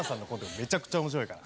めちゃくちゃ面白いから。